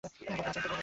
ভদ্র আচরণ করবে!